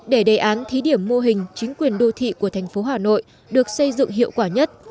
để đề án thí điểm mô hình chính quyền đô thị của thành phố hà nội được xây dựng hiệu quả nhất